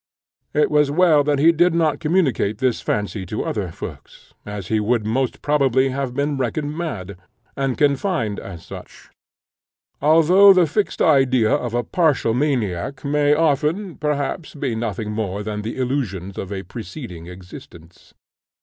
It was well that he did not communicate this fancy to other folks, as he would most probably have been reckoned mad, and confined as such; although the fixed idea of a partial maniac may often, perhaps, be nothing more than the illusions of a preceding existence.